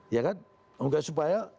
ya kan supaya